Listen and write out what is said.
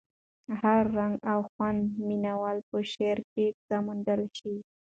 هر رنګ او خوند مینه وال په شعر کې څه موندلی شي.